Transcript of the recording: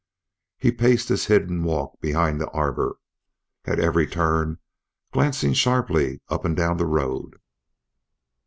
He paced his hidden walk behind the arbor, at every turn glancing sharply up and down the road.